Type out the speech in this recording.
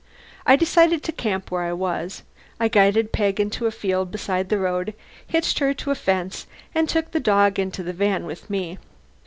I decided to camp where I was. I guided Peg into a field beside the road, hitched her to a fence, and took the dog into the van with me.